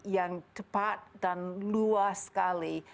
yang tepat dan luas sekali